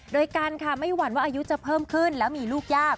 โดยกันค่ะไม่หวั่นว่าอายุจะเพิ่มขึ้นแล้วมีลูกยาก